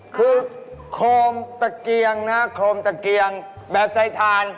คือโคมตะเกียงนะโครมตะเกียงแบบใส่ทาน